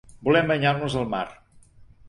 Volem banyar-nos al mar.